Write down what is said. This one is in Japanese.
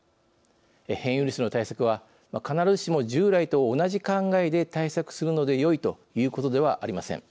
変異ウイルスの対策は必ずしも従来と同じ考えで対策するのでよいということではありません。